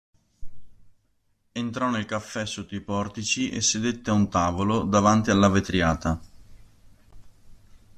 Entrò nel caffè sotto i portici e sedette a un tavolo, davanti alla vetriata.